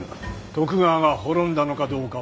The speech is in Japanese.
徳川が滅んだのかどうかは。